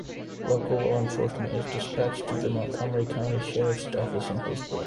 Local law enforcement is dispatched through the Montgomery County Sheriff's Office in Hillsboro.